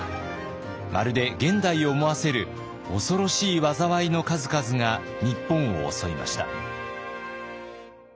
まるで現代を思わせる恐ろしい災いの数々が日本を襲いました。